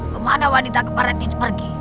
kemana wanita keparetnya pergi